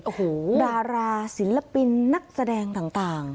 โอ้โหดาราศิลปินนักแสดงต่าง